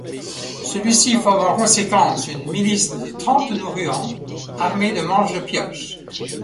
Celui-ci forme en conséquence une milice de trente Nauruans armés de manches de pioche.